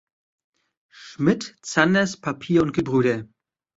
Schmidt, Zanders Papier und Gebr.